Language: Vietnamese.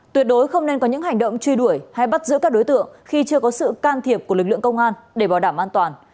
tuyệt đối không nên có những hành động truy đuổi hay bắt giữ các đối tượng khi chưa có sự can thiệp của lực lượng công an để bảo đảm an toàn